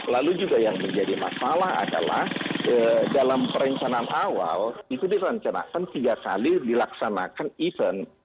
lalu juga yang menjadi masalah adalah dalam perencanaan awal itu direncanakan tiga kali dilaksanakan event